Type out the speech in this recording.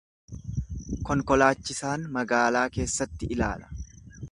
Konkolaachisaan magaalaa keessatti ilaala.